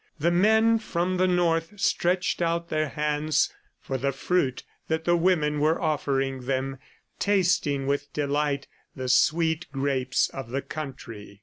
The men from the North stretched out their hands for the fruit that the women were offering them, tasting with delight the sweet grapes of the country.